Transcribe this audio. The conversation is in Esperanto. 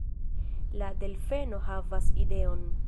La delfeno havas ideon: